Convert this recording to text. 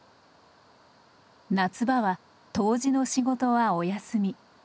夏場は杜氏の仕事はお休み。